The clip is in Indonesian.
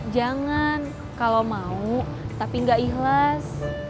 jangan kalau mau tapi gak ikhlas